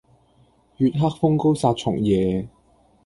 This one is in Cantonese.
月黑風高殺蟲夜